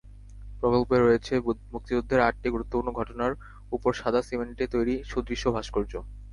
প্রকল্পে রয়েছে মুক্তিযুদ্ধের আটটি গুরুত্বপূর্ণ ঘটনার ওপর সাদা সিমেন্টে তৈরি সুদৃশ্য ভাস্কর্য।